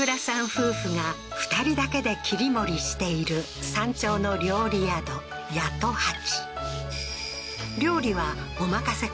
夫婦が２人だけで切り盛りしている山頂の料理宿八十八